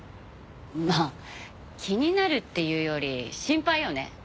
まあ気になるっていうより心配よね。